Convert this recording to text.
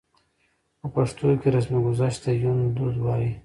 په پښتو کې رسمګذشت ته يوندود وايي.